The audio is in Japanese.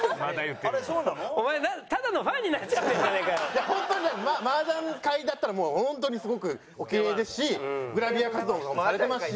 いや本当に麻雀界だったら本当にすごくおキレイですしグラビア活動もされてますし。